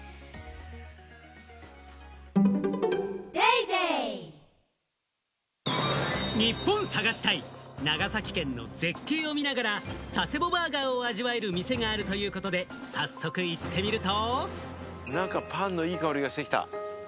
いいじゃないだってニッポン探し隊、長崎県の絶景を見ながら佐世保バーガーを味わえる店があるということで、早速、行ってみると。